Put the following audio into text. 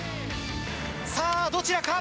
さあ、どちらか？